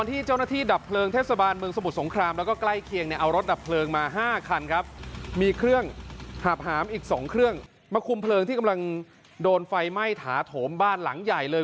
อีก๒เครื่องมาคุมเพลิงที่กำลังโดนไฟไหม้ถาโถมบ้านหลังใหญ่เลย